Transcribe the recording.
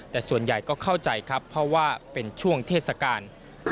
แต่ส่วนใหญ่ก็เข้าใจครับเพราะว่าเป็นช่วงเทศกาล